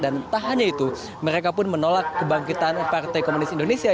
dan entah hanya itu mereka pun menolak kebangkitan partai komunis indonesia